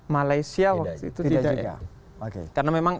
malaysia waktu itu tidak